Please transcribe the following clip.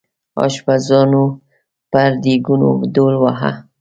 اشپزانو پر دیګونو ډول واهه.